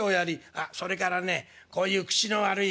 あっそれからねこういう口の悪いやつだ。